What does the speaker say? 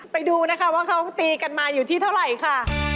ไปดูนะคะว่าเขาตีกันมาอยู่ที่เท่าไหร่ค่ะ